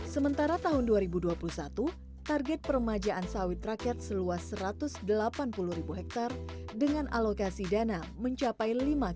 sementara tahun dua ribu dua puluh satu target permajaan sawit rakyat seluas satu ratus delapan puluh ribu hektare dengan alokasi dana mencapai